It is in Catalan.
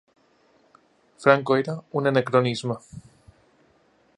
Franco era un anacronisme